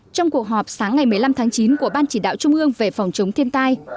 trong cuộc họp sáng ngày một mươi năm tháng chín của ban chỉ đạo trung ương về phòng chống thiên tai